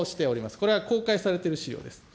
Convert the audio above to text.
これが公開されている資料です。